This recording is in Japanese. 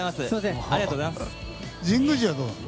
神宮寺はどうなの？